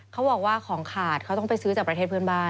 เขาบอกว่าของขาดเขาต้องไปซื้อจากประเทศเพื่อนบ้าน